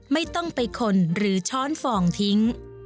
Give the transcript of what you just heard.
ไม่ต้องไปคนหรือช้อนฟองทิ้ง